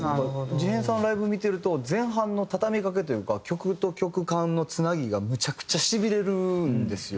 事変さんのライブ見てると前半の畳み掛けというか曲と曲間のつなぎがむちゃくちゃしびれるんですよ。